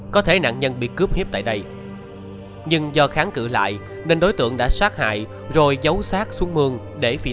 có thể nạn nhân bị cướp hiếp tại đây nhưng do kháng cử lại nên đối tượng đã sát hại rồi giấu sát xuống mương để phi tan